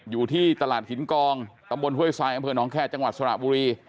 อยู่ที่ตลาดหินกองตำบลห้วยทรายอำเภอหนองแคร์จังหวัดสระบุรี